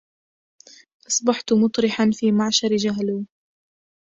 أصبحت مطرحا في معشر جهلوا